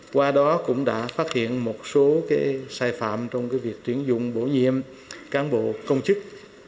qua đó cũng đã phát hiện một số sai phạm trong việc tuyển dụng bổ nhiệm cán bộ công chức